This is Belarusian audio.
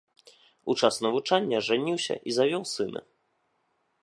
У час навучання ажаніўся і завёў сына.